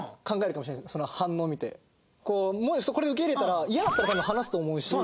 これ受け入れたら嫌だったら多分離すと思うし。